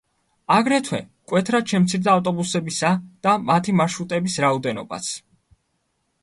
აგრეთვე მკვეთრად შემცირდა ავტობუსებისა და მათი მარშრუტების რაოდენობაც.